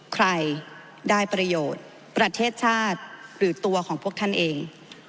ใครได้ประโยชน์ประเทศชาติหรือตัวของพวกท่านเอง